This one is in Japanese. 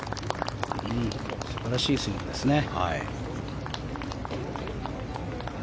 素晴らしいスイングですね。